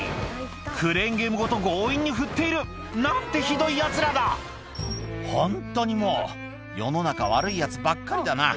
クレーンゲームごと強引に振っている何てひどいヤツらだ「ホントにもう世の中悪いヤツばっかりだな」